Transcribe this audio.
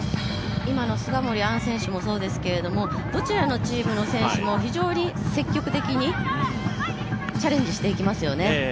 今の菅森杏選手もそうですけど、どちらのチームの選手も非常に積極的にチャレンジしていきますよね